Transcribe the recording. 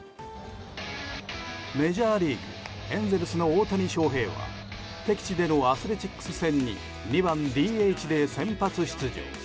メジャーリーグエンゼルスの大谷翔平は敵地でのアスレチックス戦に２番ＤＨで先発出場。